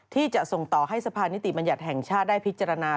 ที่จะส่งต่อให้สะพานนิติบัญญัติแห่งชาติได้พิจารณา